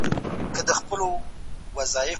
هغه وويل چي انصاف وکړئ.